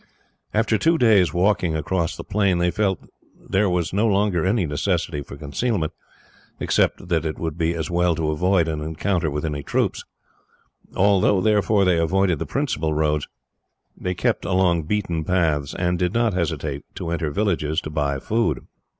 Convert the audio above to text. After two days' walking across the plain, they felt that there was no longer any necessity for concealment, except that it would be as well to avoid an encounter with any troops. Although, therefore, they avoided the principal roads, they kept along beaten paths, and did not hesitate to enter villages to buy food.